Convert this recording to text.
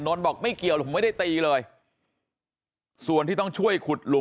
นท์บอกไม่เกี่ยวผมไม่ได้ตีเลยส่วนที่ต้องช่วยขุดหลุม